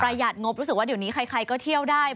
หัดงบรู้สึกว่าเดี๋ยวนี้ใครก็เที่ยวได้